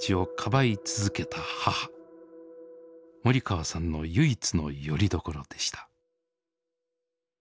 森川さんの唯一のよりどころでした。